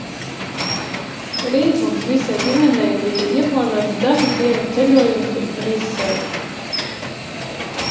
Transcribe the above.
Rīt mums visai ģimenei bija ieplānots dažu dienu ceļojums uz Briseli.